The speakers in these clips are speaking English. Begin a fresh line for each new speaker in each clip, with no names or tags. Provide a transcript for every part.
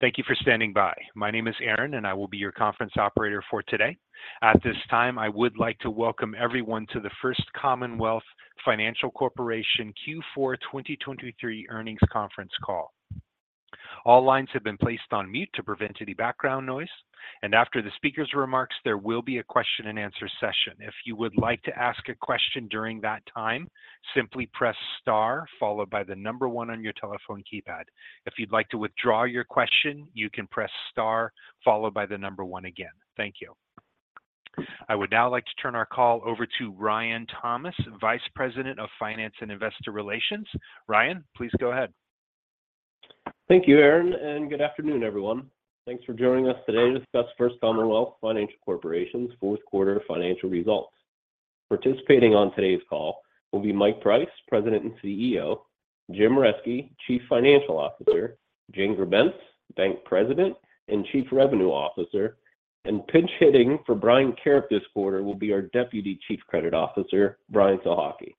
Thank you for standing by. My name is Aaron, and I will be your conference operator for today. At this time, I would like to welcome everyone to the First Commonwealth Financial Corporation Q4 2023 Earnings Conference Call. All lines have been placed on mute to prevent any background noise, and after the speaker's remarks, there will be a question and answer session. If you would like to ask a question during that time, simply press star followed by the number one on your telephone keypad. If you'd like to withdraw your question, you can press star followed by the number one again. Thank you. I would now like to turn our call over to Ryan Thomas, Vice President of Finance and Investor Relations. Ryan, please go ahead.
Thank you, Aaron, and good afternoon, everyone. Thanks for joining us today to discuss First Commonwealth Financial Corporation's fourth quarter financial results. Participating on today's call will be Mike Price, President and CEO, Jim Reske, Chief Financial Officer, Jane Grebenc, Bank President and Chief Revenue Officer, and pinch-hitting for Brian Karrip this quarter will be our Deputy Chief Credit Officer, Brian Sohocki.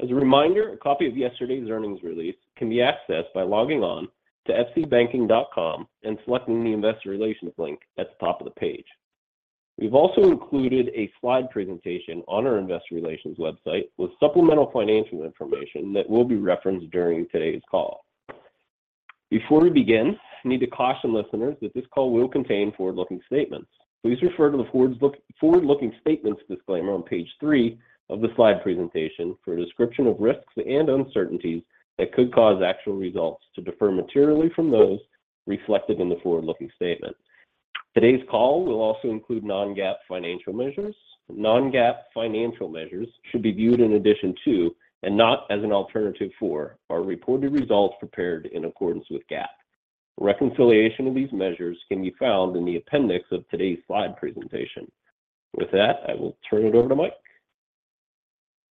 As a reminder, a copy of yesterday's earnings release can be accessed by logging on to fcbanking.com and selecting the Investor Relations link at the top of the page. We've also included a slide presentation on our investor relations website with supplemental financial information that will be referenced during today's call. Before we begin, I need to caution listeners that this call will contain forward-looking statements. Please refer to the forward-looking statements disclaimer on page three of the slide presentation for a description of risks and uncertainties that could cause actual results to differ materially from those reflected in the forward-looking statement. Today's call will also include non-GAAP financial measures. Non-GAAP financial measures should be viewed in addition to, and not as an alternative for, our reported results prepared in accordance with GAAP. Reconciliation of these measures can be found in the appendix of today's slide presentation. With that, I will turn it over to Mike.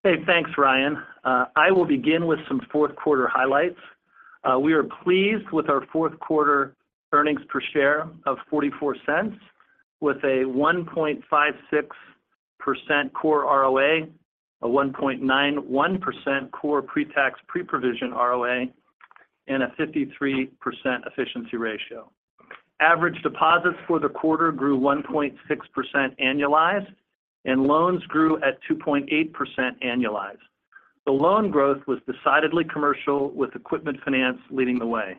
Hey, thanks, Ryan. I will begin with some fourth quarter highlights. We are pleased with our fourth quarter earnings per share of $0.44, with a 1.56% core ROA, a 1.91% core pre-tax, pre-provision ROA, and a 53% efficiency ratio. Average deposits for the quarter grew 1.6% annualized, and loans grew at 2.8% annualized. The loan growth was decidedly commercial, with equipment finance leading the way.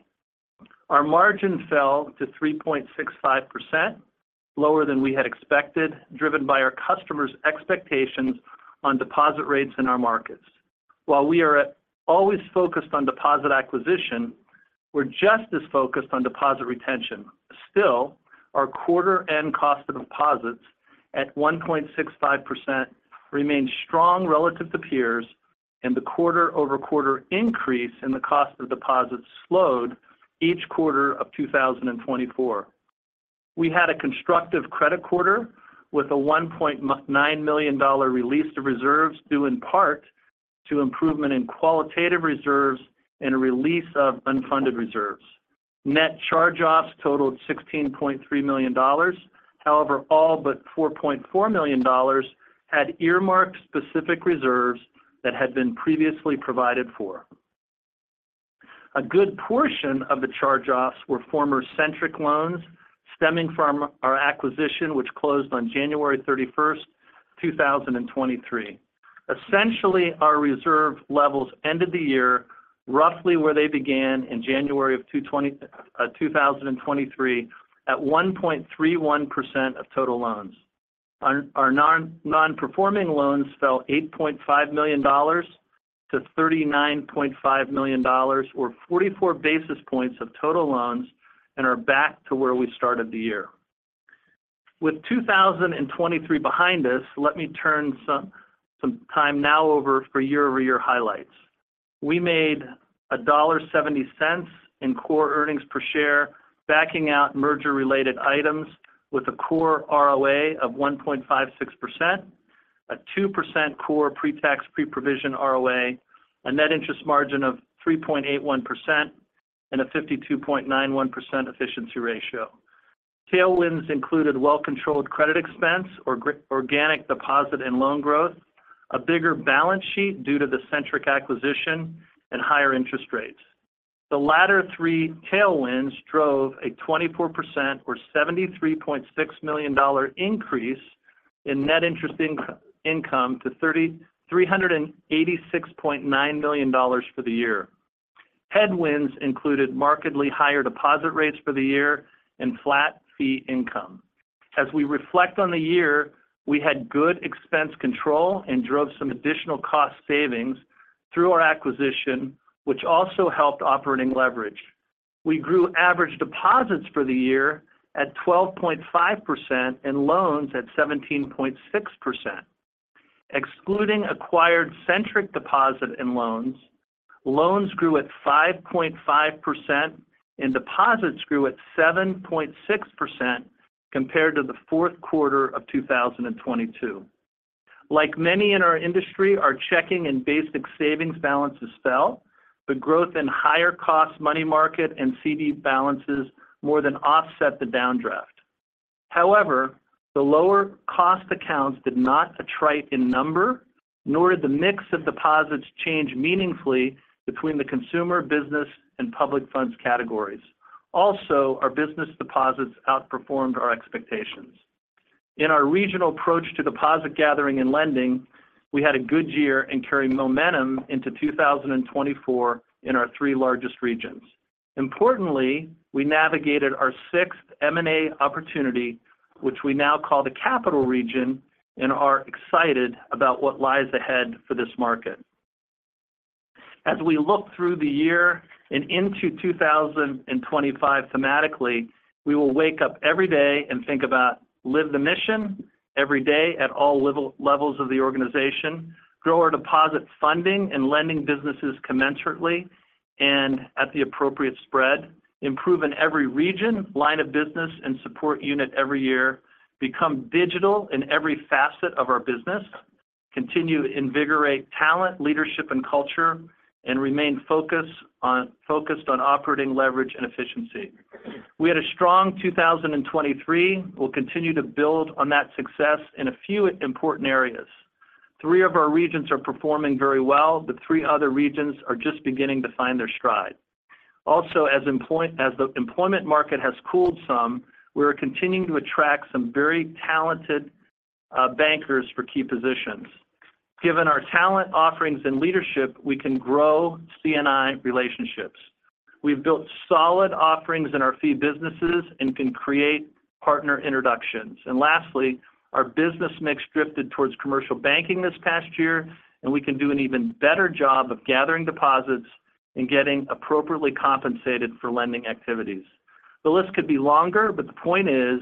Our margin fell to 3.65%, lower than we had expected, driven by our customers' expectations on deposit rates in our markets. While we are always focused on deposit acquisition, we're just as focused on deposit retention. Still, our quarter end cost of deposits at 1.65% remains strong relative to peers, and the quarter-over-quarter increase in the cost of deposits slowed each quarter of 2024. We had a constructive credit quarter with a $1.9 million release to reserves, due in part to improvement in qualitative reserves and a release of unfunded reserves. Net charge-offs totaled $16.3 million. However, all but $4.4 million had earmarked specific reserves that had been previously provided for. A good portion of the charge-offs were former Centric loans stemming from our acquisition, which closed on January 31, 2023. Essentially, our reserve levels ended the year roughly where they began in January 2023, at 1.31% of total loans. Our non-performing loans fell $8.5 million to $39.5 million, or 44 basis points of total loans and are back to where we started the year. With 2023 behind us, let me turn some time now over for year-over-year highlights. We made $1.70 in core earnings per share, backing out merger-related items with a core ROA of 1.56%, a 2% core pre-tax, pre-provision ROA, a net interest margin of 3.81%, and a 52.91% efficiency ratio. Tailwinds included well-controlled credit expense, organic deposit and loan growth, a bigger balance sheet due to the Centric acquisition, and higher interest rates. The latter three tailwinds drove a 24% or $73.6 million increase in net interest income to $3,386.9 million for the year. Headwinds included markedly higher deposit rates for the year and flat fee income. As we reflect on the year, we had good expense control and drove some additional cost savings through our acquisition, which also helped operating leverage. We grew average deposits for the year at 12.5% and loans at 17.6%. Excluding acquired Centric deposits and loans, loans grew at 5.5%, and deposits grew at 7.6% compared to the fourth quarter of 2022. Like many in our industry, our checking and basic savings balances fell, but growth in higher cost money market and CD balances more than offset the downdraft. However, the lower cost accounts did not attrite in number, nor did the mix of deposits change meaningfully between the consumer, business, and public funds categories. Also, our business deposits outperformed our expectations. In our regional approach to deposit gathering and lending, we had a good year and carry momentum into 2024 in our three largest regions. Importantly, we navigated our sixth M&A opportunity, which we now call the Capital Region, and are excited about what lies ahead for this market. As we look through the year and into 2025 thematically, we will wake up every day and think about live the mission every day at all level, levels of the organization, grow our deposit funding and lending businesses commensurately and at the appropriate spread, improve in every region, line of business, and support unit every year, become digital in every facet of our business, continue to invigorate talent, leadership, and culture, and remain focus on-- focused on operating leverage and efficiency. We had a strong 2023. We'll continue to build on that success in a few important areas. Three of our regions are performing very well, but three other regions are just beginning to find their stride. Also, as the employment market has cooled some, we are continuing to attract some very talented bankers for key positions. Given our talent offerings and leadership, we can grow C&I relationships. We've built solid offerings in our fee businesses and can create partner introductions. And lastly, our business mix drifted towards commercial banking this past year, and we can do an even better job of gathering deposits and getting appropriately compensated for lending activities. The list could be longer, but the point is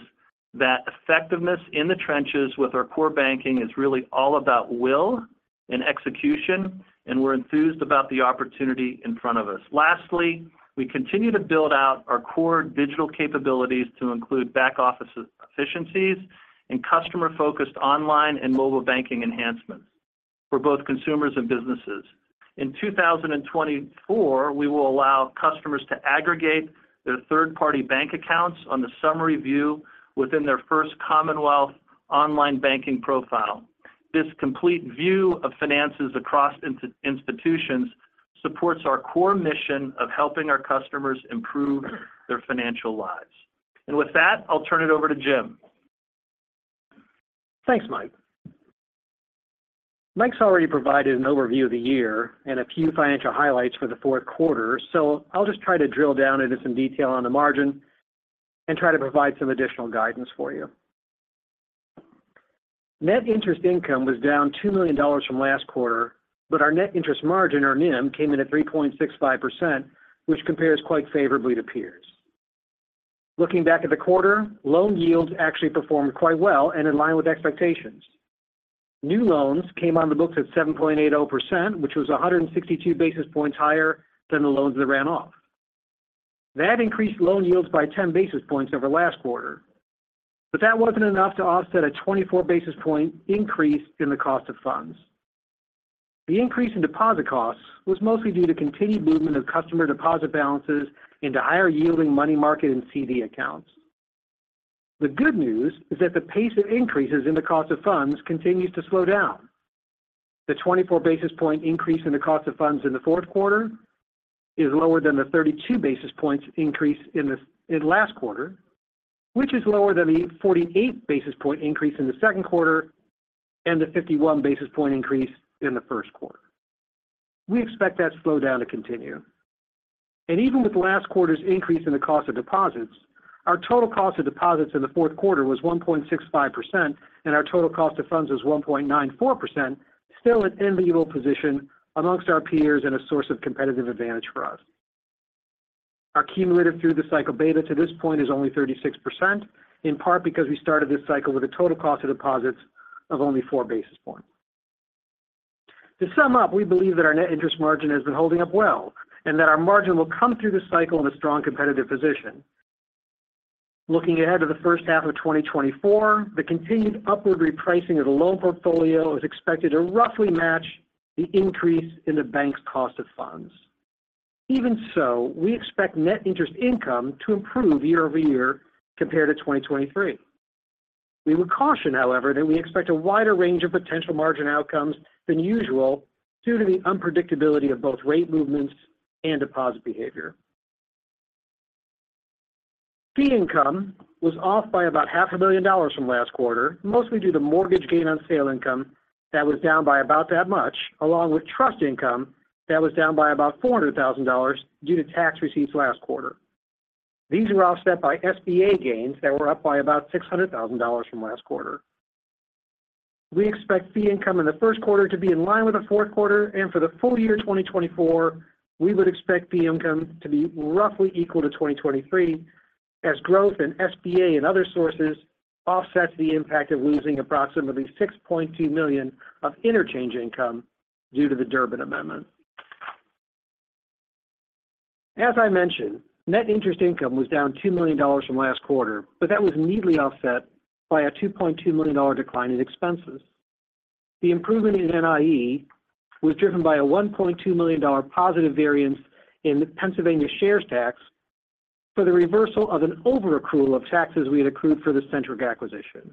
that effectiveness in the trenches with our core banking is really all about will and execution, and we're enthused about the opportunity in front of us. Lastly, we continue to build out our core digital capabilities to include back-office efficiencies and customer-focused online and mobile banking enhancements for both consumers and businesses. In 2024, we will allow customers to aggregate their third-party bank accounts on the summary view within their First Commonwealth online banking profile. This complete view of finances across institutions supports our core mission of helping our customers improve their financial lives. With that, I'll turn it over to Jim.
Thanks, Mike. Mike's already provided an overview of the year and a few financial highlights for the fourth quarter, so I'll just try to drill down into some detail on the margin and try to provide some additional guidance for you. Net interest income was down $2 million from last quarter, but our net interest margin, or NIM, came in at 3.65%, which compares quite favorably to peers. Looking back at the quarter, loan yields actually performed quite well and in line with expectations. New loans came on the books at 7.8%, which was 162 basis points higher than the loans that ran off. That increased loan yields by 10 basis points over last quarter, but that wasn't enough to offset a 24 basis point increase in the cost of funds. The increase in deposit costs was mostly due to continued movement of customer deposit balances into higher-yielding money market and CD accounts. The good news is that the pace of increases in the cost of funds continues to slow down. The 24 basis points increase in the cost of funds in the fourth quarter is lower than the 32 basis points increase in last quarter, which is lower than the 48 basis points increase in the second quarter and the 51 basis points increase in the first quarter. We expect that slowdown to continue. Even with last quarter's increase in the cost of deposits, our total cost of deposits in the fourth quarter was 1.65%, and our total cost of funds was 1.94%, still an enviable position amongst our peers and a source of competitive advantage for us. Our cumulative through the cycle beta to this point is only 36%, in part because we started this cycle with a total cost of deposits of only four basis points. To sum up, we believe that our net interest margin has been holding up well and that our margin will come through this cycle in a strong competitive position. Looking ahead to the first half of 2024, the continued upward repricing of the loan portfolio is expected to roughly match the increase in the bank's cost of funds. Even so, we expect net interest income to improve year-over-year compared to 2023. We would caution, however, that we expect a wider range of potential margin outcomes than usual due to the unpredictability of both rate movements and deposit behavior. Fee income was off by about $500,000 from last quarter, mostly due to mortgage gain on sale income that was down by about that much, along with trust income that was down by about $400,000 due to tax receipts last quarter. These were offset by SBA gains that were up by about $600,000 from last quarter. We expect fee income in the first quarter to be in line with the fourth quarter, and for the full year 2024, we would expect fee income to be roughly equal to 2023, as growth in SBA and other sources offsets the impact of losing approximately $6.2 million of interchange income due to the Durbin Amendment. As I mentioned, net interest income was down $2 million from last quarter, but that was neatly offset by a $2.2 million decline in expenses. The improvement in NIE was driven by a $1.2 million positive variance in Pennsylvania shares tax for the reversal of an overaccrual of taxes we had accrued for the Centric acquisition.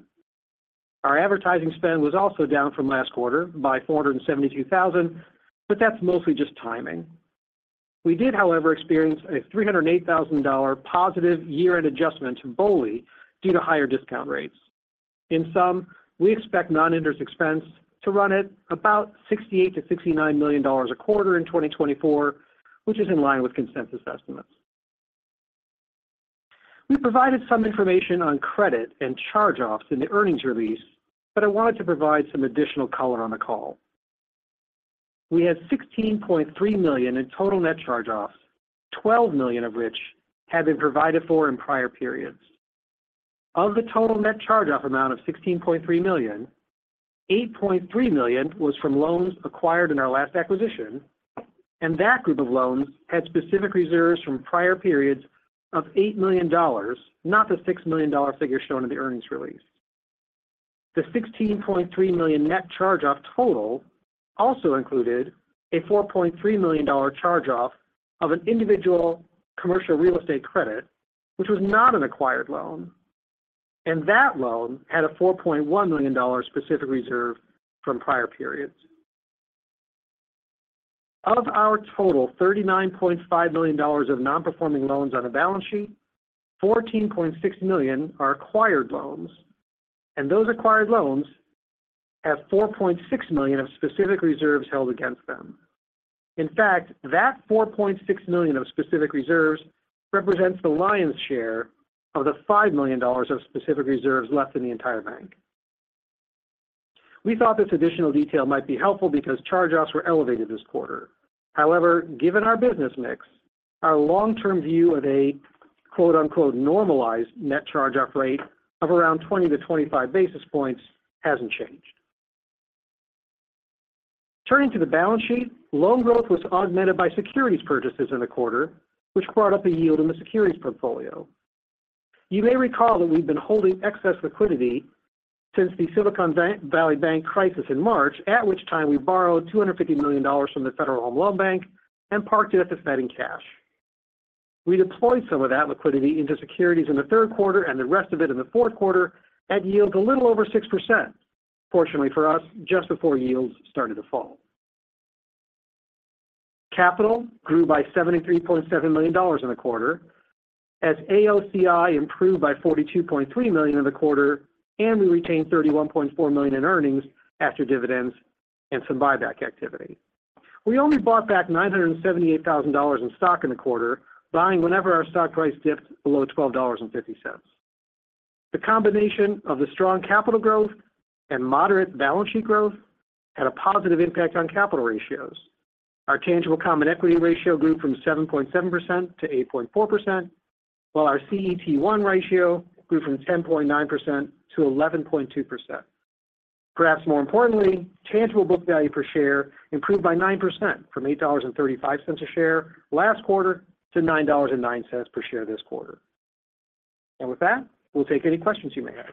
Our advertising spend was also down from last quarter by $472,000, but that's mostly just timing. We did, however, experience a $308,000 positive year-end adjustment to BOLI due to higher discount rates. In sum, we expect non-interest expense to run at about $68 million-$69 million a quarter in 2024, which is in line with consensus estimates. We provided some information on credit and charge-offs in the earnings release, but I wanted to provide some additional color on the call. We had $16.3 million in total net charge-offs, $12 million of which had been provided for in prior periods. Of the total net charge-off amount of $16.3 million, $8.3 million was from loans acquired in our last acquisition, and that group of loans had specific reserves from prior periods of $8 million, not the $6 million figure shown in the earnings release. The $16.3 million net charge-off total also included a $4.3 million charge-off of an individual commercial real estate credit, which was not an acquired loan, and that loan had a $4.1 million specific reserve from prior periods. Of our total $39.5 million of non-performing loans on the balance sheet, $14.6 million are acquired loans, and those acquired loans have $4.6 million of specific reserves held against them. In fact, that $4.6 million of specific reserves represents the lion's share of the $5 million of specific reserves left in the entire bank. We thought this additional detail might be helpful because charge-offs were elevated this quarter. However, given our business mix, our long-term view of a, quote, unquote, "normalized net charge-off rate" of around 20-25 basis points hasn't changed. Turning to the balance sheet, loan growth was augmented by securities purchases in the quarter, which brought up a yield in the securities portfolio. You may recall that we've been holding excess liquidity since the Silicon Valley Bank crisis in March, at which time we borrowed $250 million from the Federal Home Loan Bank and parked it at the Fed in cash. We deployed some of that liquidity into securities in the third quarter and the rest of it in the fourth quarter at yields a little over 6%. Fortunately for us, just before yields started to fall. Capital grew by $73.7 million in the quarter, as AOCI improved by $42.3 million in the quarter, and we retained $31.4 million in earnings after dividends and some buyback activity. We only bought back $978,000 in stock in the quarter, buying whenever our stock price dipped below $12.50. The combination of the strong capital growth and moderate balance sheet growth had a positive impact on capital ratios. Our tangible common equity ratio grew from 7.7% to 8.4%, while our CET1 ratio grew from 10.9% to 11.2%. Perhaps more importantly, tangible book value per share improved by 9%, from $8.35 a share last quarter to $9.09 per share this quarter. And with that, we'll take any questions you may have.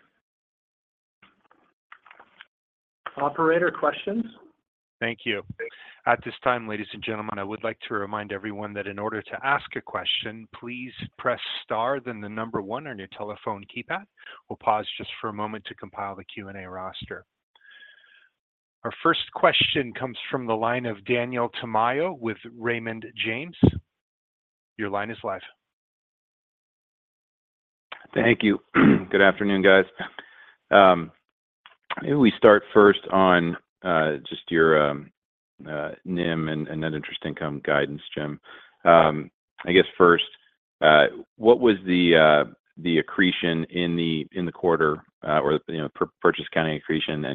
Operator, questions?
Thank you. At this time, ladies and gentlemen, I would like to remind everyone that in order to ask a question, please press Star, then the number one on your telephone keypad. We'll pause just for a moment to compile the Q&A roster. Our first question comes from the line of Daniel Tamayo with Raymond James. Your line is live.
Thank you. Good afternoon, guys. Maybe we start first on just your NIM and net interest income guidance, Jim. I guess first, what was the accretion in the quarter, or, you know, purchase accounting accretion?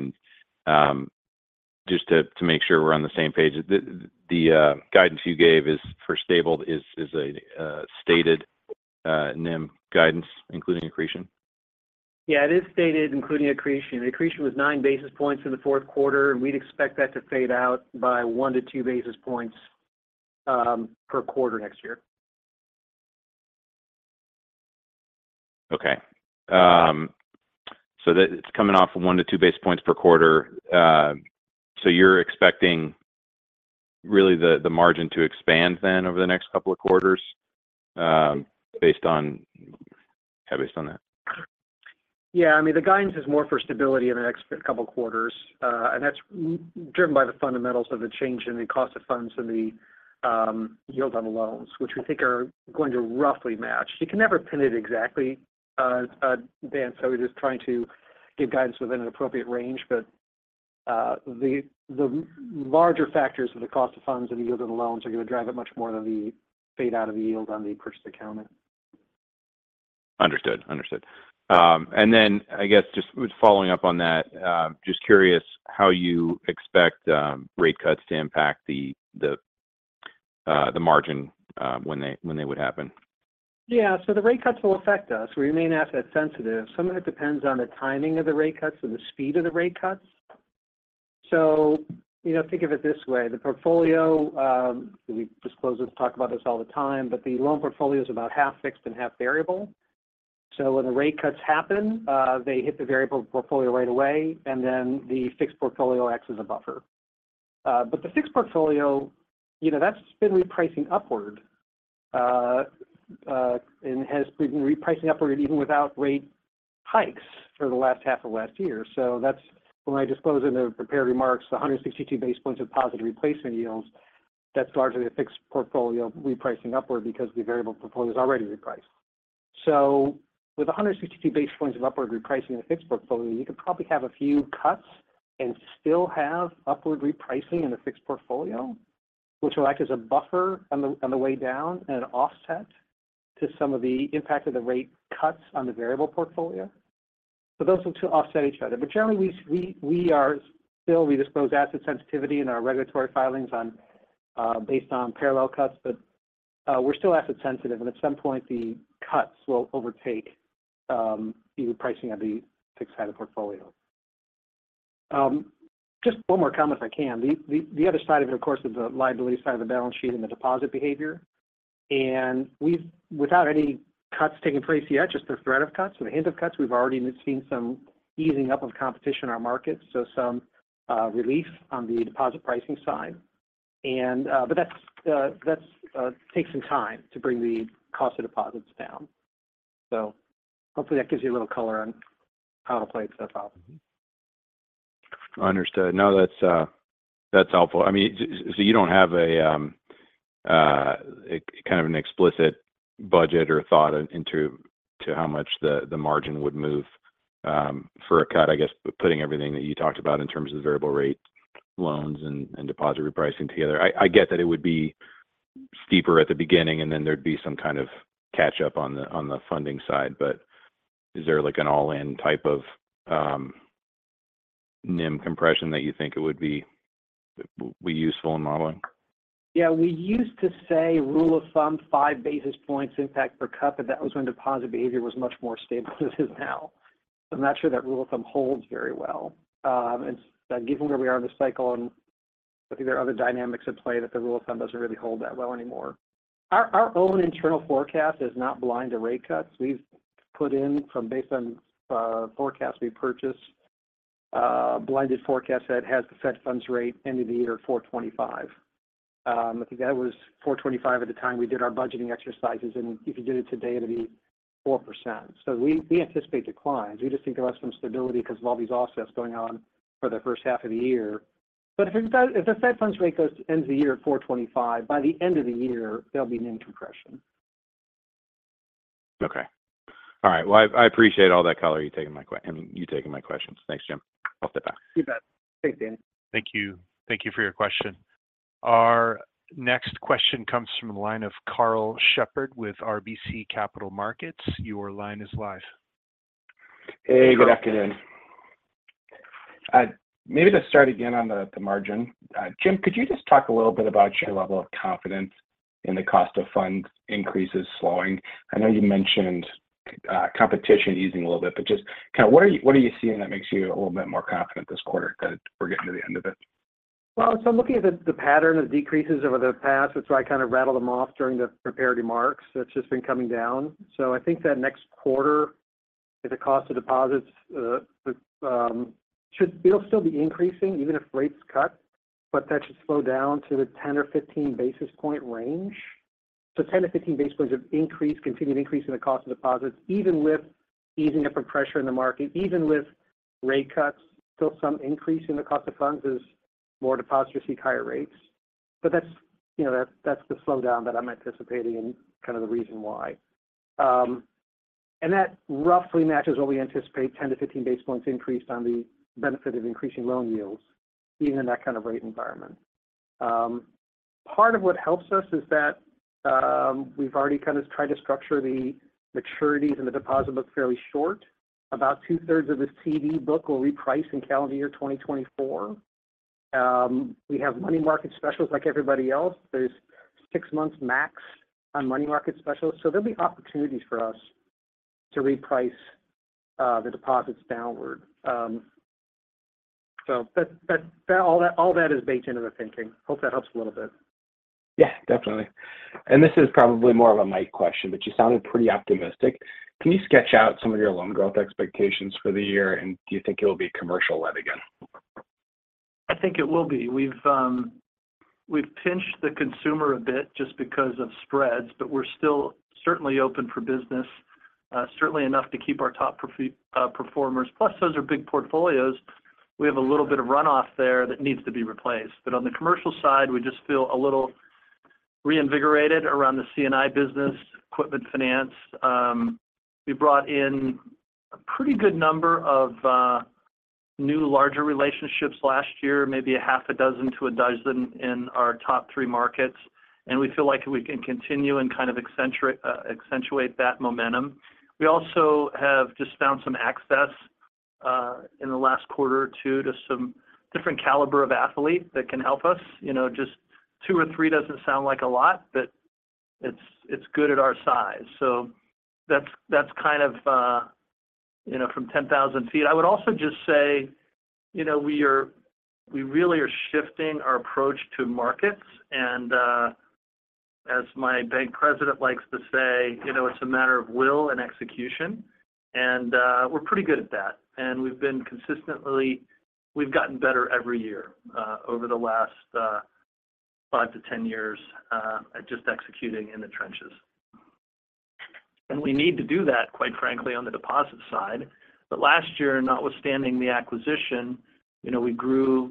And just to make sure we're on the same page, the guidance you gave is for stable, is a stated NIM guidance, including accretion?
Yeah, it is stated, including accretion. Accretion was nine basis points in the fourth quarter. We'd expect that to fade out by 1-2 basis points per quarter next year.
Okay. So that it's coming off of one-two basis points per quarter. So you're expecting really the margin to expand then over the next couple of quarters, based on that?
Yeah. I mean, the guidance is more for stability in the next couple quarters, and that's driven by the fundamentals of the change in the cost of funds and the yield on the loans, which we think are going to roughly match. You can never pin it exactly, Dan, so we're just trying to give guidance within an appropriate range. But, the larger factors for the cost of funds and the yield of the loans are going to drive it much more than the fade out of the yield on the purchase accounting.
Understood. Understood. And then I guess just with following up on that, just curious how you expect rate cuts to impact the margin, when they would happen?
Yeah. So the rate cuts will affect us. We remain asset sensitive. Some of it depends on the timing of the rate cuts and the speed of the rate cuts. So, you know, think of it this way: the portfolio, we disclose this, talk about this all the time, but the loan portfolio is about half fixed and half variable.... So when the rate cuts happen, they hit the variable portfolio right away, and then the fixed portfolio acts as a buffer. But the fixed portfolio, you know, that's been repricing upward, and has been repricing upward even without rate hikes for the last half of last year. So that's when I disclose in the prepared remarks, the 162 basis points of positive replacement yields, that's largely a fixed portfolio repricing upward because the variable portfolio is already repriced. So with 162 basis points of upward repricing in the fixed portfolio, you could probably have a few cuts and still have upward repricing in the fixed portfolio, which will act as a buffer on the way down and an offset to some of the impact of the rate cuts on the variable portfolio. So those will too offset each other, but generally, we are still—we disclose asset sensitivity in our regulatory filings based on parallel cuts, but we're still asset sensitive, and at some point the cuts will overtake the pricing of the fixed side of the portfolio. Just one more comment, if I can. The other side of it, of course, is the liability side of the balance sheet and the deposit behavior. And we've without any cuts taking place yet, just the threat of cuts or the hint of cuts, we've already seen some easing up of competition in our markets, so some relief on the deposit pricing side. But that takes some time to bring the cost of deposits down. So hopefully that gives you a little color on how it plays that out.
Understood. No, that's helpful. I mean, so you don't have a kind of an explicit budget or thought into how much the margin would move for a cut, I guess, putting everything that you talked about in terms of variable rate loans and deposit repricing together. I get that it would be steeper at the beginning, and then there'd be some kind of catch up on the funding side, but is there like an all-in type of NIM compression that you think it would be useful in modeling?
Yeah, we used to say rule of thumb, five basis points impact per cut, but that was when deposit behavior was much more stable than it is now. I'm not sure that rule of thumb holds very well. And given where we are in the cycle, and I think there are other dynamics at play, that the rule of thumb doesn't really hold that well anymore. Our own internal forecast is not blind to rate cuts. We've put in from based on forecasts we purchased, blended forecast that has the Fed funds rate end of the year 4.25%. I think that was 4.25% at the time we did our budgeting exercises, and if you did it today, it'd be 4%. So we anticipate declines. We just think there are some stability because of all these offsets going on for the first half of the year. But if it does, if the Fed funds rate goes to the end of the year at 4.25%, by the end of the year, there'll be a compression.
Okay. All right. Well, I appreciate all that color, you taking my questions. Thanks, Jim. I'll step back.
You bet. Thanks, Danny.
Thank you. Thank you for your question. Our next question comes from the line of Karl Shepard with RBC Capital Markets. Your line is live.
Hey, good afternoon. Maybe to start again on the margin. Jim, could you just talk a little bit about your level of confidence in the cost of funds increases slowing? I know you mentioned competition easing a little bit, but just kind of what are you seeing that makes you a little bit more confident this quarter, that we're getting to the end of it?
Well, so I'm looking at the pattern of decreases over the past, which I kind of rattled them off during the prepared remarks. It's just been coming down. So I think that next quarter, if the cost of deposits should—it'll still be increasing even if rates cut, but that should slow down to the 10 or 15 basis point range. So 10-15 basis points of increase, continued increase in the cost of deposits, even with easing up of pressure in the market, even with rate cuts, still some increase in the cost of funds as more depositors seek higher rates. But that's, you know, that's the slowdown that I'm anticipating and kind of the reason why. and that roughly matches what we anticipate, 10-15 basis points increase on the benefit of increasing loan yields, even in that kind of rate environment. Part of what helps us is that, we've already kind of tried to structure the maturities and the deposit book fairly short. About two-thirds of the CD book will reprice in calendar year 2024. We have money market specials like everybody else. There's 6 months max on money market specials, so there'll be opportunities for us to reprice, the deposits downward. So, but, but all that, all that is baked into the thinking. Hope that helps a little bit.
Yeah, definitely. This is probably more of a Mike question, but you sounded pretty optimistic. Can you sketch out some of your loan growth expectations for the year, and do you think it will be commercial-led again?
I think it will be. We've pinched the consumer a bit just because of spreads, but we're still certainly open for business, certainly enough to keep our top performers. Plus, those are big portfolios. We have a little bit of runoff there that needs to be replaced. But on the commercial side, we just feel a little reinvigorated around the C&I business, equipment finance. We brought in a pretty good number of new, larger relationships last year, maybe 6-12 in our top three markets, and we feel like we can continue and kind of accentuate that momentum. We also have just found some access in the last quarter or two to some different caliber of athlete that can help us. You know, just two or three doesn't sound like a lot, but it's, it's good at our size. So that's, that's kind of,... you know, from 10,000 feet. I would also just say, you know, we really are shifting our approach to markets, and as my bank president likes to say, you know, it's a matter of will and execution, and we're pretty good at that. And we've been consistently. We've gotten better every year over the last 5-10 years at just executing in the trenches. And we need to do that, quite frankly, on the deposit side. But last year, notwithstanding the acquisition, you know, we grew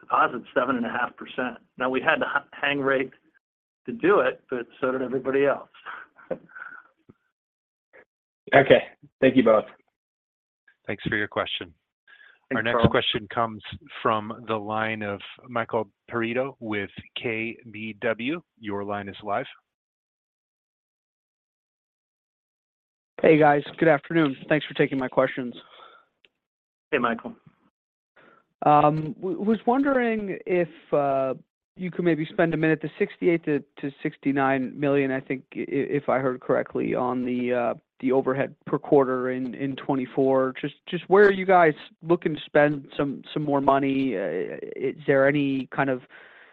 deposits 7.5%. Now, we had the hang rate to do it, but so did everybody else.
Okay, thank you both.
Thanks for your question.
Thanks, Karl.
Our next question comes from the line of Michael Perito with KBW. Your line is live.
Hey, guys. Good afternoon. Thanks for taking my questions.
Hey, Michael.
Was wondering if you could maybe spend a minute, the $68 million-$69 million, I think, if I heard correctly, on the overhead per quarter in 2024. Just where are you guys looking to spend some more money? Is there any kind of...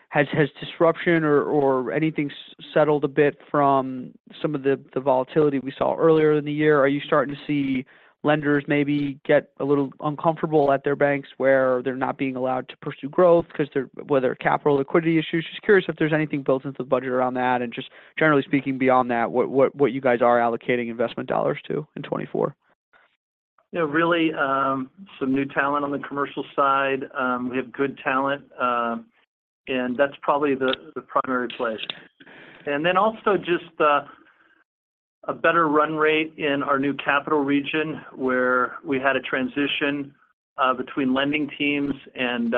Has disruption or anything settled a bit from some of the volatility we saw earlier in the year? Are you starting to see lenders maybe get a little uncomfortable at their banks, where they're not being allowed to pursue growth 'cause they're whether capital liquidity issues? Just curious if there's anything built into the budget around that, and just generally speaking, beyond that, what you guys are allocating investment dollars to in 2024.
Yeah, really, some new talent on the commercial side. We have good talent, and that's probably the primary place. And then also just a better run rate in our new Capital Region, where we had a transition between lending teams and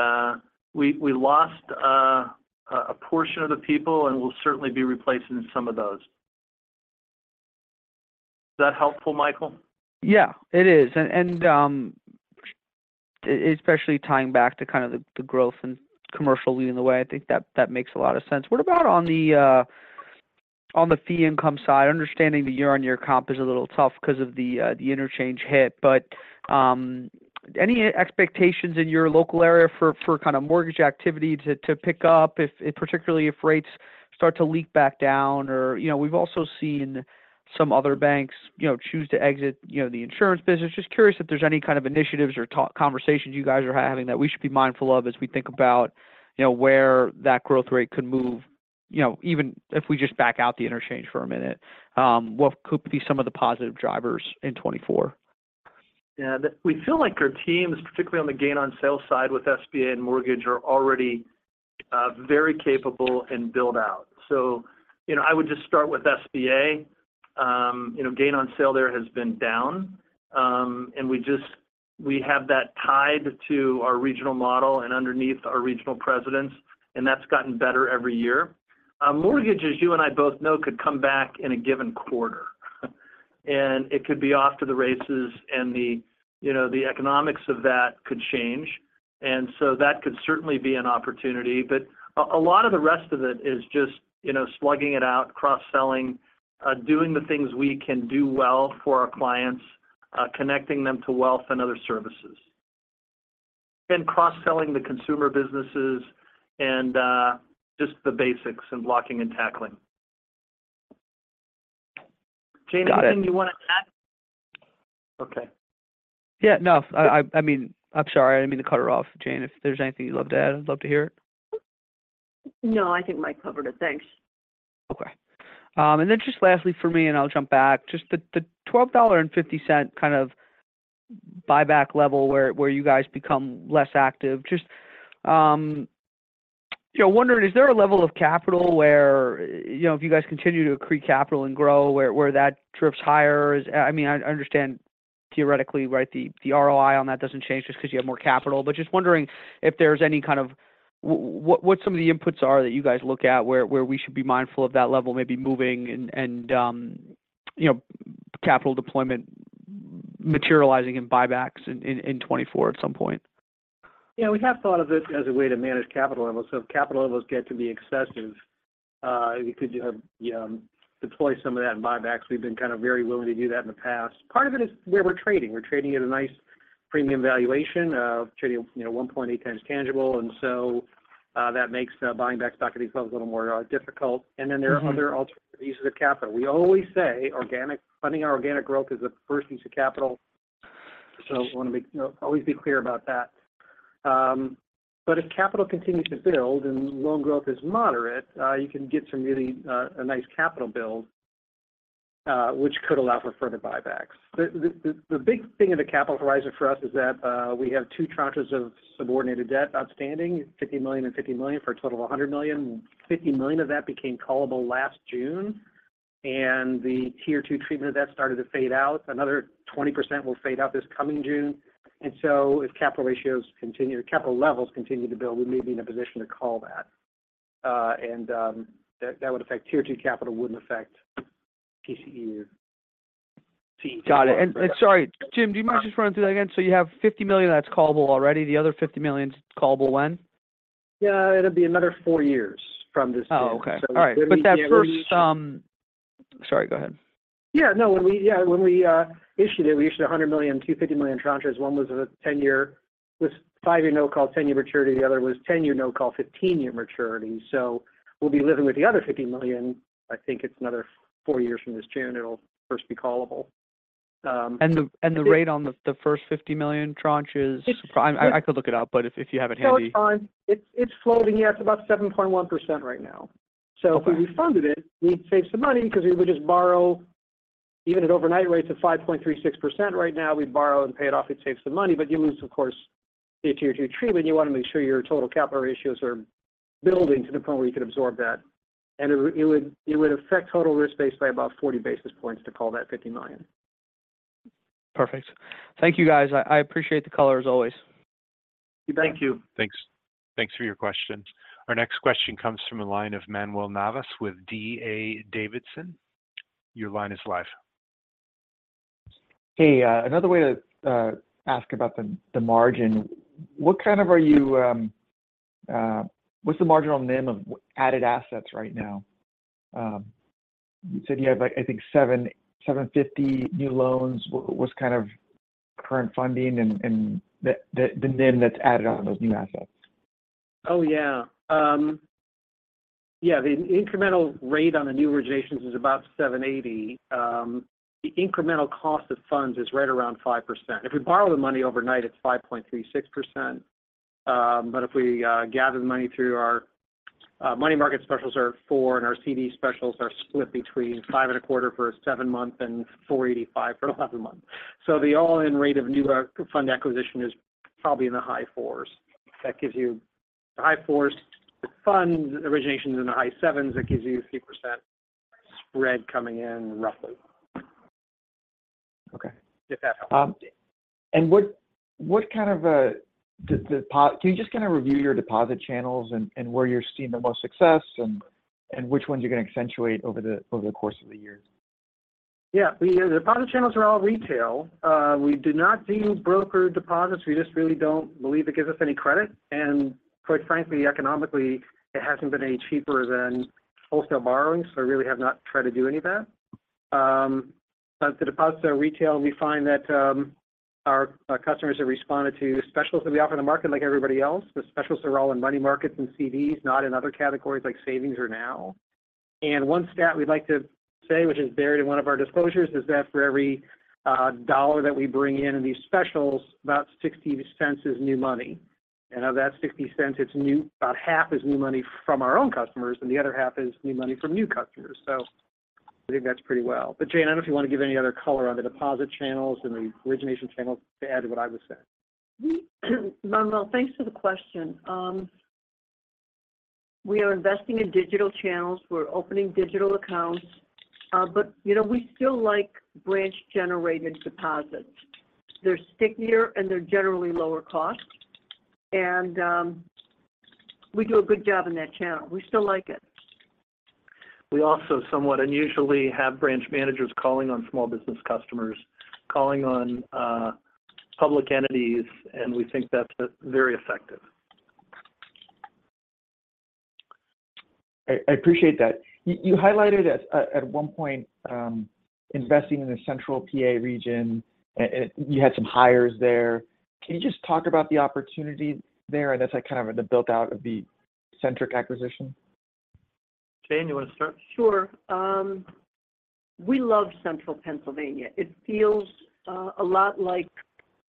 we lost a portion of the people, and we'll certainly be replacing some of those. Is that helpful, Michael?
Yeah, it is. And especially tying back to kind of the growth commercially in the way, I think that makes a lot of sense. What about on the fee income side? Understanding the year-on-year comp is a little tough because of the interchange hit, but any expectations in your local area for kind of mortgage activity to pick up particularly if rates start to leak back down? Or, you know, we've also seen some other banks, you know, choose to exit, you know, the insurance business. Just curious if there's any kind of initiatives or talk conversations you guys are having that we should be mindful of as we think about, you know, where that growth rate could move, you know, even if we just back out the interchange for a minute? What could be some of the positive drivers in 2024?
Yeah. We feel like our teams, particularly on the gain on sales side with SBA and Mortgage, are already very capable and build out. So, you know, I would just start with SBA. You know, gain on sale there has been down, and we just—we have that tied to our regional model and underneath our regional presidents, and that's gotten better every year. Mortgages, you and I both know, could come back in a given quarter, and it could be off to the races, and the, you know, the economics of that could change, and so that could certainly be an opportunity. But a lot of the rest of it is just, you know, slugging it out, cross-selling, doing the things we can do well for our clients, connecting them to wealth and other services. Cross-selling the consumer businesses and just the basics and blocking and tackling.
Got it.
Jane, anything you want to add? Okay.
Yeah, no, I mean... I'm sorry, I didn't mean to cut her off. Jane, if there's anything you'd love to add, I'd love to hear it.
No, I think Mike covered it. Thanks.
Okay. And then just lastly for me, and I'll jump back. Just the $12.50 kind of buyback level where you guys become less active, just, you know, wondering, is there a level of capital where, you know, if you guys continue to accrete capital and grow, where that trips higher? I mean, I understand theoretically, right, the ROI on that doesn't change just 'cause you have more capital. But just wondering if there's any kind of what some of the inputs are that you guys look at, where we should be mindful of that level maybe moving and, you know, capital deployment materializing in buybacks in 2024 at some point?
Yeah, we have thought of it as a way to manage capital levels. So if capital levels get to be excessive, we could deploy some of that in buybacks. We've been kind of very willing to do that in the past. Part of it is where we're trading. We're trading at a nice premium valuation, trading, you know, 1.8 times tangible, and so that makes buying back stock at these levels a little more difficult. And then there are other alternative uses of capital. We always say organic funding our organic growth is the first use of capital, so want to make always be clear about that. But if capital continues to build and loan growth is moderate, you can get some really a nice capital build, which could allow for further buybacks. The big thing in the capital horizon for us is that we have two tranches of subordinated debt outstanding, $50 million and $50 million, for a total of $100 million. 50 million of that became callable last June, and the Tier Two treatment of that started to fade out. Another 20% will fade out this coming June. And so if capital ratios continue, or capital levels continue to build, we may be in a position to call that. That would affect Tier Two capital, wouldn't affect TCE.
Got it. And sorry, Jim, do you mind just running through that again? So you have $50 million that's callable already. The other $50 million's callable when?
...Yeah, it'll be another four years from this June.
Oh, okay. All right. But that first, sorry, go ahead.
Yeah, no. When we issued it, we issued $100 million, $250 million tranches. One was a 10-year, with five-year no-call, 10-year maturity. The other was 10-year no-call, 15-year maturity. So we'll be living with the other $50 million. I think it's another four years from this June, it'll first be callable.
And the rate on the first 50 million tranches?
It's-
I could look it up, but if you have it handy.
No, it's fine. It's, it's floating. Yeah, it's about 7.1% right now.
Okay.
So if we refunded it, we'd save some money because we would just borrow, even at overnight rates of 5.36% right now, we'd borrow and pay it off. It'd save some money, but you lose, of course, Tier 2 treatment. You want to make sure your total capital ratios are building to the point where you could absorb that. And it would, it would, it would affect total risk base by about 40 basis points to call that $50 million.
Perfect. Thank you, guys. I, I appreciate the color, as always.
Thank you.
Thanks. Thanks for your questions. Our next question comes from the line of Manuel Navas with D.A. Davidson. Your line is live.
Hey, another way to ask about the margin. What's the marginal NIM of added assets right now? You said you had, like, I think 7, 750 new loans. What's kind of current funding and the NIM that's added on those new assets?
Oh, yeah. Yeah, the incremental rate on the new originations is about 7.80. The incremental cost of funds is right around 5%. If we borrow the money overnight, it's 5.36%. But if we gather the money through our money market specials are four, and our CD specials are split between 5.25% for a seven-month and 4.85% for an 11-month. So the all-in rate of new fund acquisition is probably in the high fours. That gives you the high fours funds, originations in the high sevens, that gives you a 3% spread coming in, roughly.
Okay.
If that helps.
Can you just kind of review your deposit channels and where you're seeing the most success and which ones you're going to accentuate over the course of the year?
Yeah. The deposit channels are all retail. We do not do broker deposits. We just really don't believe it gives us any credit, and quite frankly, economically, it hasn't been any cheaper than wholesale borrowing, so I really have not tried to do any of that. But the deposits are retail. We find that our customers have responded to specials that we offer in the market like everybody else. The specials are all in money markets and CDs, not in other categories like savings or now. One stat we'd like to say, which is buried in one of our disclosures, is that for every $1 that we bring in in these specials, about $0.60 is new money. Of that $0.60, it's new, about half is new money from our own customers, and the other half is new money from new customers. So I think that's pretty well. But Jane, I don't know if you want to give any other color on the deposit channels and the origination channels to add to what I was saying.
Manuel, thanks for the question. We are investing in digital channels. We're opening digital accounts, but, you know, we still like branch-generated deposits. They're stickier, and they're generally lower cost. We do a good job in that channel. We still like it.
We also, somewhat unusually, have branch managers calling on small business customers, calling on public entities, and we think that's very effective.
I, I appreciate that. You, you highlighted at, at one point, investing in the Central PA region, and, and you had some hires there. Can you just talk about the opportunity there and as, like, kind of the build-out of the Centric acquisition?
Jane, you want to start?
Sure. We love Central Pennsylvania. It feels a lot like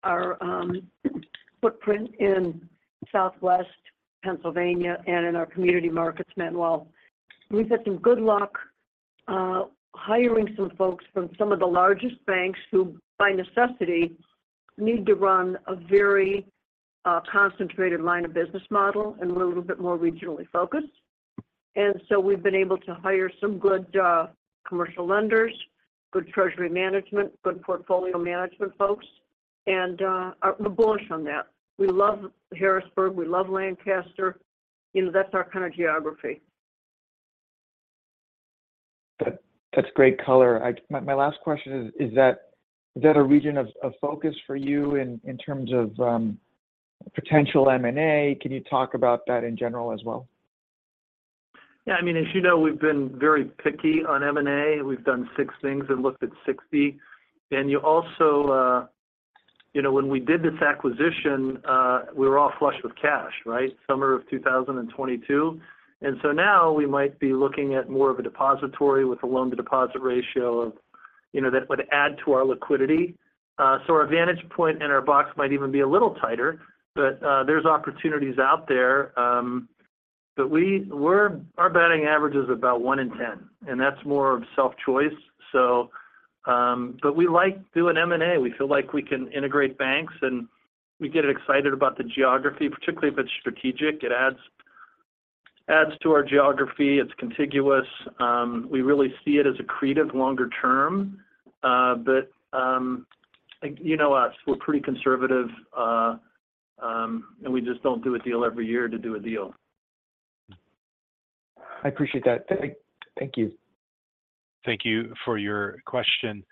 our footprint in Southwest Pennsylvania and in our community markets, Manuel. We've had some good luck hiring some folks from some of the largest banks who, by necessity, need to run a very concentrated line of business model and a little bit more regionally focused. And so we've been able to hire some good commercial lenders, good treasury management, good portfolio management folks, and we're bullish on that. We love Harrisburg. We love Lancaster. You know, that's our kind of geography.
That's great color. My last question is: Is that a region of focus for you in terms of potential M&A? Can you talk about that in general as well?
Yeah, I mean, as you know, we've been very picky on M&A. We've done six things and looked at 60. And you also, You know, when we did this acquisition, we were all flush with cash, right? Summer of 2022. And so now we might be looking at more of a depository with a loan-to-deposit ratio of, you know, that would add to our liquidity. So our vantage point and our box might even be a little tighter, but, there's opportunities out there. But we're— Our batting average is about one in 10, and that's more of self-choice. So, but we like doing M&A. We feel like we can integrate banks, and we get excited about the geography, particularly if it's strategic. It adds, adds to our geography. It's contiguous. We really see it as accretive longer term. But, you know us, we're pretty conservative, and we just don't do a deal every year to do a deal. ...
I appreciate that. Thank, thank you.
Thank you for your question.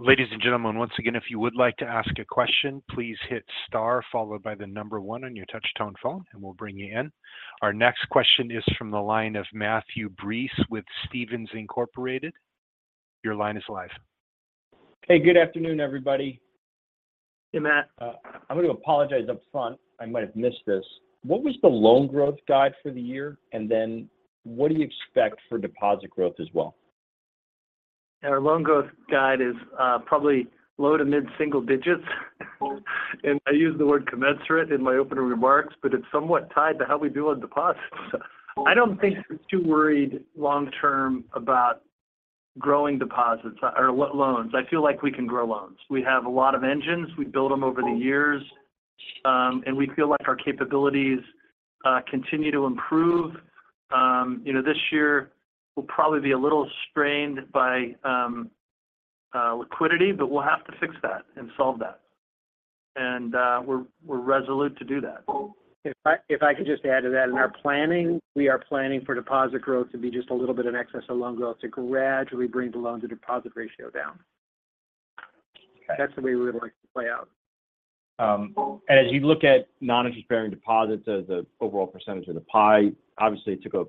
Ladies and gentlemen, once again, if you would like to ask a question, please hit star followed by the number one on your touchtone phone, and we'll bring you in. Our next question is from the line of Matthew Breese with Stephens Incorporated. Your line is live.
Hey, good afternoon, everybody.
Hey, Matt.
I'm going to apologize up front. I might have missed this. What was the loan growth guide for the year? And then what do you expect for deposit growth as well?
Our loan growth guide is probably low to mid-single digits. And I used the word commensurate in my opening remarks, but it's somewhat tied to how we do on deposits. I don't think we're too worried long term about growing deposits or loans. I feel like we can grow loans. We have a lot of engines. We've built them over the years, and we feel like our capabilities continue to improve. You know, this year will probably be a little strained by liquidity, but we'll have to fix that and solve that. And we're resolute to do that.
If I could just add to that. In our planning, we are planning for deposit growth to be just a little bit in excess of loan growth to gradually bring the loan-to-deposit ratio down.
Okay.
That's the way we would like to play out.
As you look at non-interest-bearing deposits as a overall percentage of the pie, obviously, it took a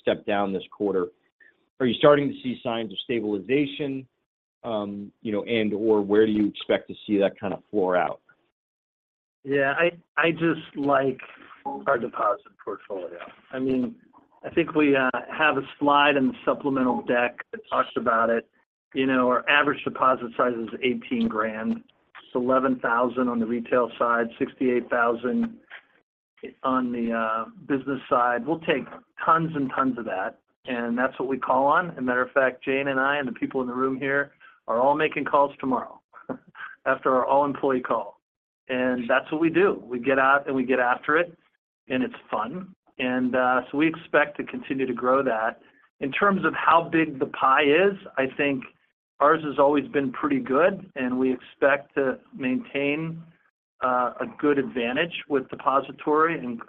step down this quarter. Are you starting to see signs of stabilization, you know, and/or where do you expect to see that kind of floor out?
Yeah, I, I just like our deposit portfolio. I mean, I think we have a slide in the supplemental deck that talks about it. You know, our average deposit size is $18,000. It's $11,000 on the retail side, $68,000 on the business side. We'll take tons and tons of that, and that's what we call on. As a matter of fact, Jane and I and the people in the room here are all making calls tomorrow after our all-employee call. That's what we do. We get out, and we get after it, and it's fun. So we expect to continue to grow that. In terms of how big the pie is, I think ours has always been pretty good, and we expect to maintain a good advantage with depository and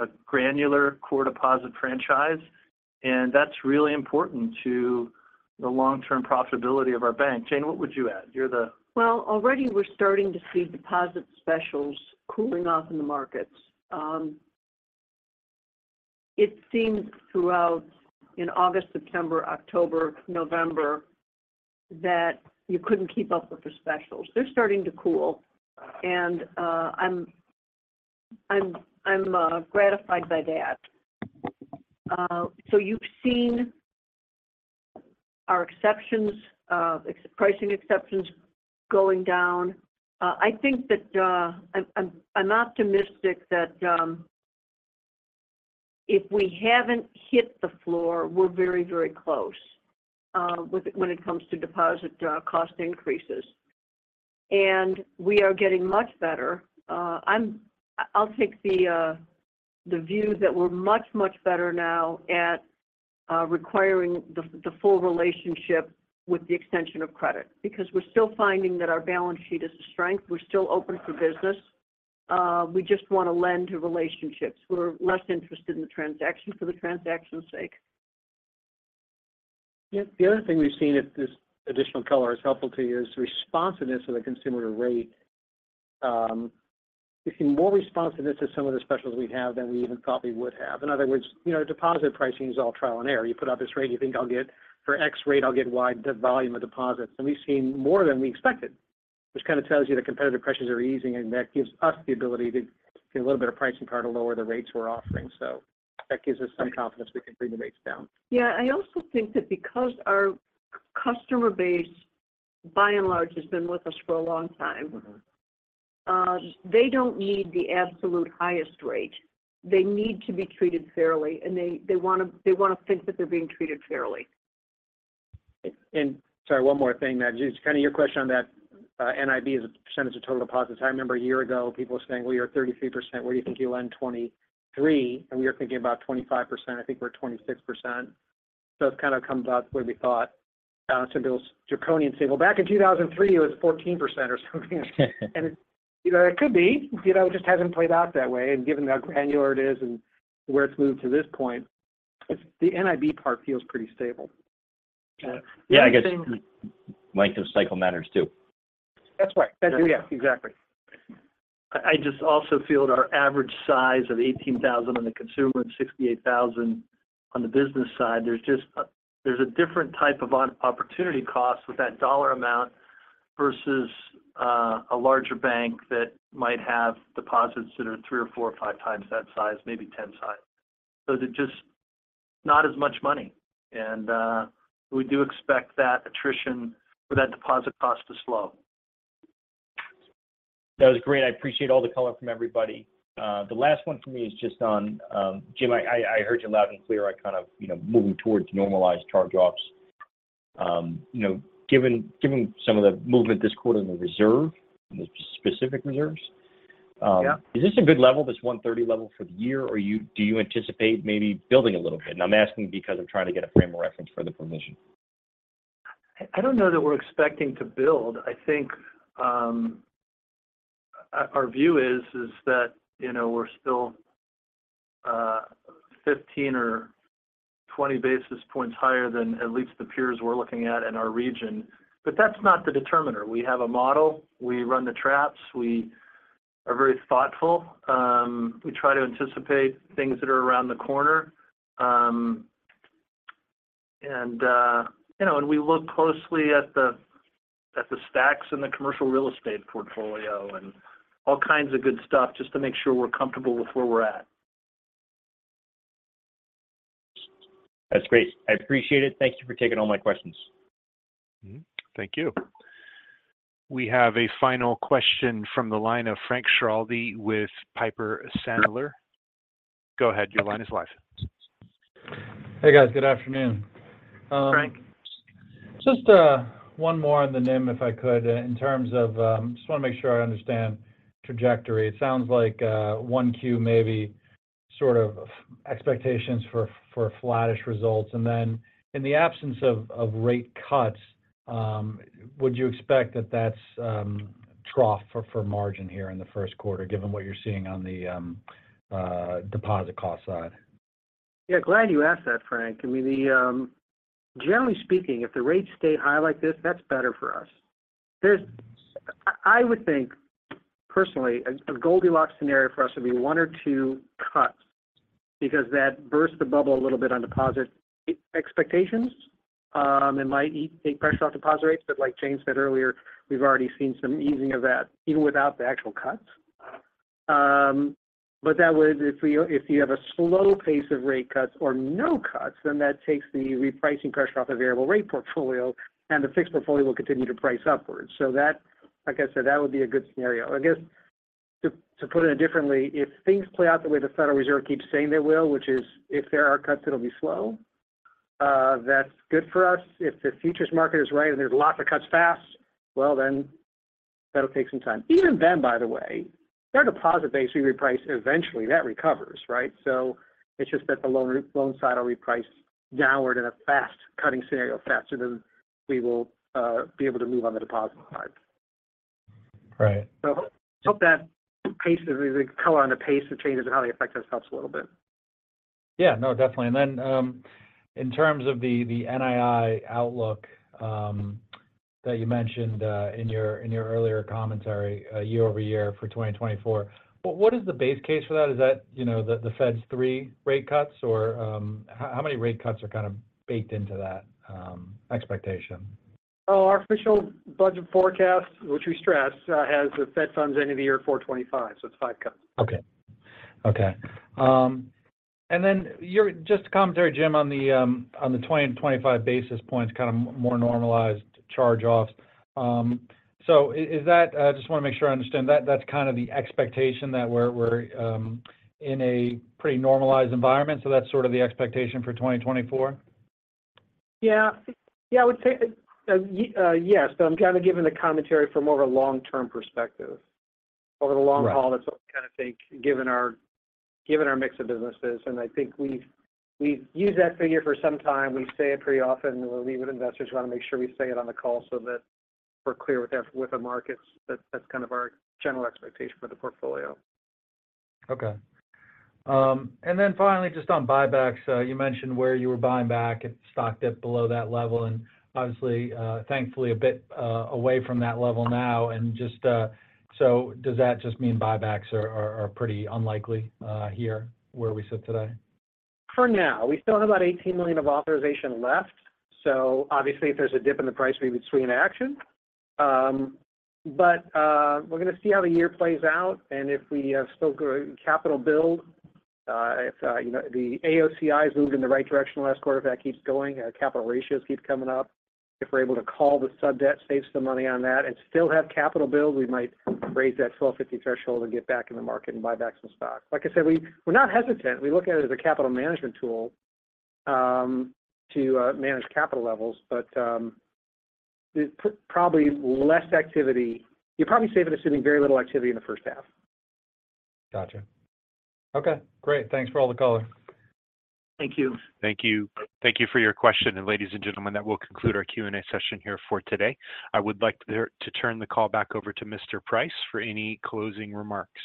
a granular core deposit franchise. That's really important to the long-term profitability of our bank. Jane, what would you add? You're the-
Well, already we're starting to see deposit specials cooling off in the markets. It seemed throughout in August, September, October, November, that you couldn't keep up with the specials. They're starting to cool, and I'm gratified by that. So you've seen our exceptions, pricing exceptions going down. I think that I'm optimistic that, if we haven't hit the floor, we're very, very close when it comes to deposit cost increases. And we are getting much better. I'll take the view that we're much, much better now at requiring the full relationship with the extension of credit because we're still finding that our balance sheet is a strength. We're still open for business. We just want to lend to relationships. We're less interested in the transaction for the transaction's sake.
Yeah, the other thing we've seen, if this additional color is helpful to you, is the responsiveness of the consumer to rate. We've seen more responsiveness to some of the specials we have than we even probably would have. In other words, you know, deposit pricing is all trial and error. You put out this rate, you think, "I'll get—for X rate, I'll get Y volume of deposits." And we've seen more than we expected, which kind of tells you the competitive pressures are easing, and that gives us the ability to get a little bit of pricing power to lower the rates we're offering. So that gives us some confidence we can bring the rates down.
Yeah, I also think that because our customer base, by and large, has been with us for a long time-
Mm-hmm...
they don't need the absolute highest rate. They need to be treated fairly, and they, they want to, they want to think that they're being treated fairly.
And sorry, one more thing, Matt, just kind of your question on that, NIB as a percentage of total deposits. I remember a year ago, people were saying, "Well, you're at 33%. Where do you think you'll end 2023?" And we were thinking about 25%. I think we're at 26%, so it's kind of comes out the way we thought. So Bill's draconian saying, "Well, back in 2003, it was 14% or something." And, you know, it could be. You know, it just hasn't played out that way, and given how granular it is and where it's moved to this point, the NIB part feels pretty stable.
Yeah.
Yeah, I guess length of cycle matters, too.
That's right. That, yeah, exactly.
I just also feel that our average size of $18,000 on the consumer and $68,000 on the business side, there's just a different type of opportunity cost with that dollar amount versus a larger bank that might have deposits that are three or four or five times that size, maybe 10 times. So there's just not as much money, and we do expect that attrition for that deposit cost to slow.
That was great. I appreciate all the color from everybody. The last one for me is just on Jim. I heard you loud and clear on kind of, you know, moving towards normalized charge-offs. You know, given some of the movement this quarter in the reserve, the specific reserves-
Yeah...
is this a good level, this 130 level, for the year, or do you anticipate maybe building a little bit? And I'm asking because I'm trying to get a frame of reference for the provision....
I don't know that we're expecting to build. I think our view is that, you know, we're still 15 or 20 basis points higher than at least the peers we're looking at in our region. But that's not the determiner. We have a model. We run the traps. We are very thoughtful. We try to anticipate things that are around the corner. And you know, we look closely at the stacks in the commercial real estate portfolio and all kinds of good stuff, just to make sure we're comfortable with where we're at.
That's great. I appreciate it. Thank you for taking all my questions.
Mm-hmm. Thank you. We have a final question from the line of Frank Schiraldi with Piper Sandler. Go ahead. Your line is live.
Hey, guys. Good afternoon.
Frank.
Just, one more on the NIM, if I could, in terms of... Just wanna make sure I understand trajectory. It sounds like, one Q maybe sort of expectations for flattish results. And then, in the absence of rate cuts, would you expect that that's trough for margin here in the first quarter, given what you're seeing on the deposit cost side?
Yeah, glad you asked that, Frank. I mean, generally speaking, if the rates stay high like this, that's better for us. I would think, personally, a Goldilocks scenario for us would be one or two cuts, because that bursts the bubble a little bit on deposit expectations. It might take pressure off deposit rates, but like James said earlier, we've already seen some easing of that, even without the actual cuts. But that would... If we, if you have a slow pace of rate cuts or no cuts, then that takes the repricing pressure off the variable rate portfolio, and the fixed portfolio will continue to price upwards. So that, like I said, that would be a good scenario. I guess, to put it differently, if things play out the way the Federal Reserve keeps saying they will, which is if there are cuts, it'll be slow, that's good for us. If the futures market is right and there's lots of cuts fast, well, then that'll take some time. Even then, by the way, our deposit base, we reprice eventually. That recovers, right? So it's just that the loan side will reprice downward in a fast-cutting scenario, faster than we will be able to move on the deposit side.
Right.
So, hope that pace, the color on the pace of changes and how they affect us, helps a little bit.
Yeah. No, definitely. And then, in terms of the NII outlook, that you mentioned, in your earlier commentary, year over year for 2024, what is the base case for that? Is that, you know, the Fed's three rate cuts or, how many rate cuts are kind of baked into that expectation?
Oh, our official budget forecast, which we stress, has the Fed funds end of the year 4.25, so it's five cuts.
Okay. Okay. And then just a commentary, Jim, on the 20-25 basis points, kind of more normalized charge-offs. So is that just wanna make sure I understand. That, that's kind of the expectation that we're in a pretty normalized environment, so that's sort of the expectation for 2024?
Yeah. Yeah, I would say, yes, but I'm kind of giving the commentary from more of a long-term perspective.
Right.
Over the long haul, that's what we kind of think, given our mix of businesses, and I think we've used that figure for some time. We say it pretty often when we meet with investors. We wanna make sure we say it on the call so that we're clear with the markets. That's kind of our general expectation for the portfolio.
Okay. And then finally, just on buybacks, you mentioned where you were buying back, it stocked up below that level, and obviously, thankfully, a bit away from that level now. Just, so does that just mean buybacks are pretty unlikely here, where we sit today?
For now. We still have about $18 million of authorization left, so obviously, if there's a dip in the price, we would swing to action. But, we're gonna see how the year plays out, and if we have still good capital build, if, you know, the AOCI's moved in the right direction last quarter, if that keeps going, our capital ratios keep coming up. If we're able to call the subdebt, save some money on that, and still have capital build, we might raise that $12.50 threshold and get back in the market and buy back some stock. Like I said, we're not hesitant. We look at it as a capital management tool, to, manage capital levels, but, it probably less activity. You'd probably safe in assuming very little activity in the first half.
Gotcha. Okay, great. Thanks for all the color.
Thank you.
Thank you. Thank you for your question, and ladies and gentlemen, that will conclude our Q&A session here for today. I would like to turn the call back over to Mr. Price for any closing remarks.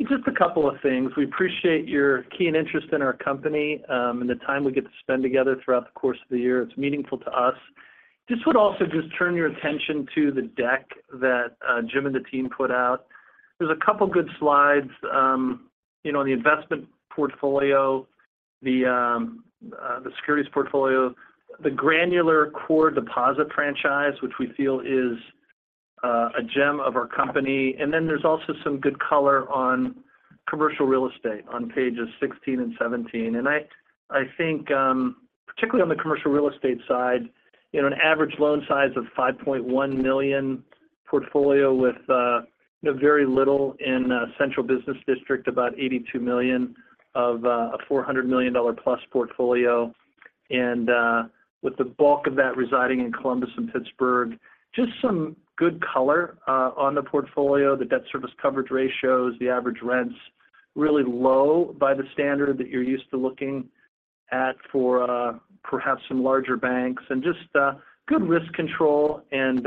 Just a couple of things. We appreciate your keen interest in our company, and the time we get to spend together throughout the course of the year. It's meaningful to us. Just would also just turn your attention to the deck that, Jim and the team put out. There's a couple good slides, you know, on the investment portfolio, the, the securities portfolio, the granular core deposit franchise, which we feel is, a gem of our company. And then there's also some good color on commercial real estate on pages 16 and 17. And I think, particularly on the commercial real estate side, you know, an average loan size of $5.1 million portfolio with, you know, very little in, central business district, about $82 million of, a $400 million-plus portfolio, and, with the bulk of that residing in Columbus and Pittsburgh. Just some good color, on the portfolio, the debt service coverage ratios, the average rents, really low by the standard that you're used to looking at for, perhaps some larger banks, and just, good risk control. And,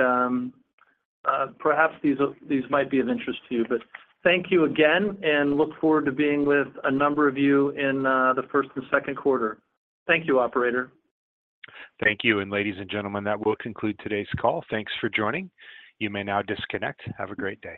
perhaps these might be of interest to you. But thank you again, and look forward to being with a number of you in, the first and second quarter. Thank you, operator.
Thank you. Ladies and gentlemen, that will conclude today's call. Thanks for joining. You may now disconnect. Have a great day.